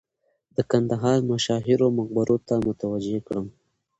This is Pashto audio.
د کندهار مشاهیرو مقبرو ته متوجه کړم.